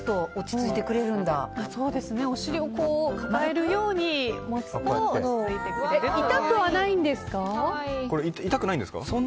お尻を抱えるように持つと痛くはないんですか？